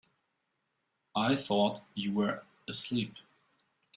I thought you were asleep.